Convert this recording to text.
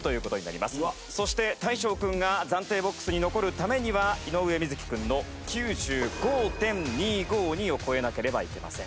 そして大昇くんが暫定ボックスに残るためには井上瑞稀くんの９５．２５２を超えなければいけません。